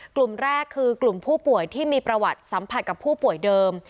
กลุ่มแรกคือกลุ่มผู้ป่วยที่มีประวัติสัมผัสกับผู้ป่วยเดิม